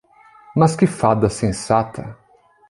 Mas que fada sensata!